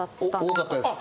多かったです。